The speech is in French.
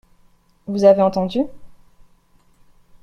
Vous avez entendu ?